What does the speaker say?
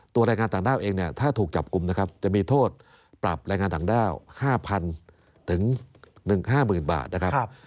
แรงงานต่างด้าวเองเนี่ยถ้าถูกจับกลุ่มนะครับจะมีโทษปรับแรงงานต่างด้าว๕๐๐๐ถึง๑๕๐๐๐บาทนะครับ